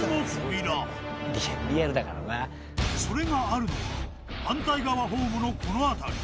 それがあるのは反対側ホームのこの辺り。